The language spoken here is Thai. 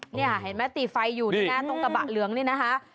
นี่เห็นไหมตีไฟอยู่นี่นะตรงกระบะเหลืองนี่นะคะ